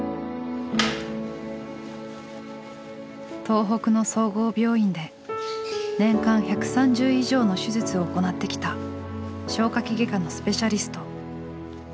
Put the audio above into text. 東北の総合病院で年間１３０以上の手術を行ってきた消化器外科のスペシャリスト。